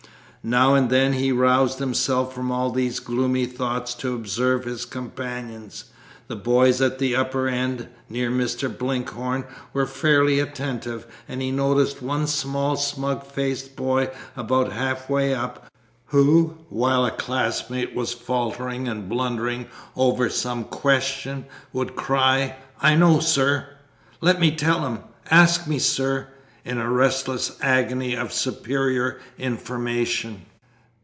Now and then he roused himself from all these gloomy thoughts to observe his companions. The boys at the upper end, near Mr. Blinkhorn, were fairly attentive, and he noticed one small smug faced boy about half way up, who, while a class mate was faltering and blundering over some question, would cry "I know, sir. Let me tell him. Ask me, sir!" in a restless agony of superior information.